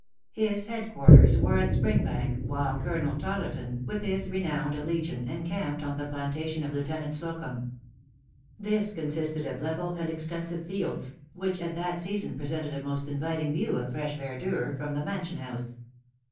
His head quarters were at Springbank, while Colonel Tarleton, with his renowned legion, encamped on the plantation of Lieutenant Slocumb. This consisted of level and extensive fields, which at that season presented a most inviting view of fresh verdure from the mansion house.